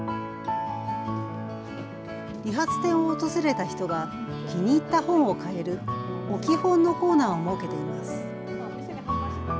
理髪店を訪れた人が気に入った本を買える置き本のコーナーを設けています。